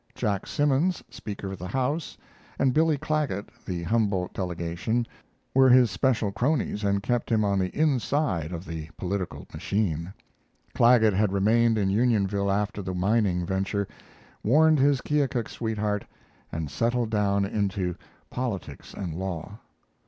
Jack Simmons, speaker of the house, and Billy Clagget, the Humboldt delegation, were his special cronies and kept him on the inside of the political machine. Clagget had remained in Unionville after the mining venture, warned his Keokuk sweetheart, and settled down into politics and law.